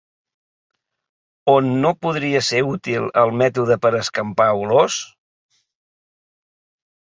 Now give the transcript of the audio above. On no podria ser útil el mètode per escampar olors?